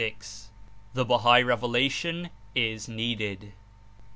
157 THE BAIIAI REVELATION IS NEEDED.